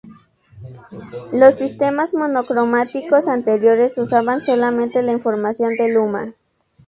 Los sistemas monocromáticos anteriores usaban solamente la información de luma.